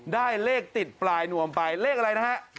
ได้เลขติดปลายนวมไปเลขอะไรนะฮะ